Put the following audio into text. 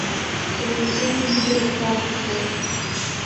Элексей ӱдыр Плагиже